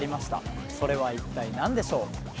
それは一体何でしょう？